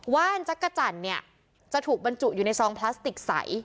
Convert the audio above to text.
ว่านจักรจันทร์เนี่ยจะถูกบรรจุอยู่ในซองพลาสติกใส